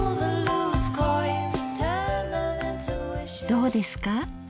どうですか？